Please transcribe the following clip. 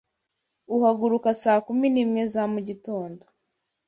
Uhaguruka saa kumi nimwe za mugitondo